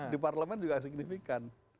di parlemen juga signifikan